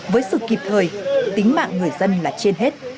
với sự kịp thời tính mạng người dân là trên hết